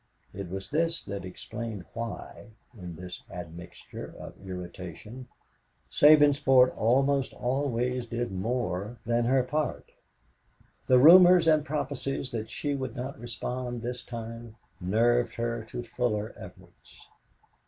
It was this that explained why, in this admixture of irritation, Sabinsport almost always did more than her part. The rumors and prophecies that she would not respond this time nerved her to fuller efforts.